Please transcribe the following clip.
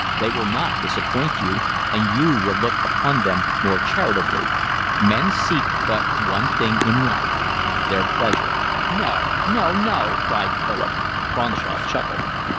They will not disappoint you, and you will look upon them more charitably. Men seek but one thing in life—their pleasure." "No, no, no!" cried Philip. Cronshaw chuckled.